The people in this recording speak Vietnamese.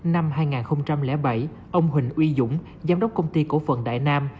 năm hai nghìn bảy ông huỳnh uy dũng giám đốc công ty cổ phần đại nam